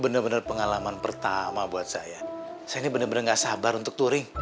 bener bener pengalaman pertama buat saya saya bener bener nggak sabar untuk turing